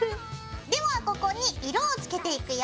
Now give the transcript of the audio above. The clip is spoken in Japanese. ではここに色をつけていくよ。